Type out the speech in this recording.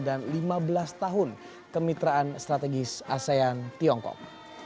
lima belas tahun kemitraan strategis asean tiongkok